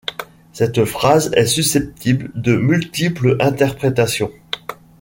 Cette phrase est susceptible de multiples interprétations.